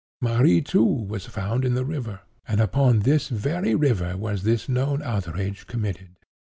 Marie, too, was found in the river; and upon this very river was this known outrage committed.